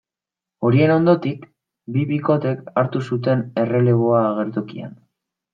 Haien ondotik, bi bikotek hartu zuten erreleboa agertokian.